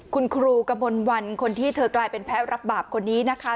คุณครูกระมวลวันคนที่เธอกลายเป็นแพ้รับบาปคนนี้นะคะ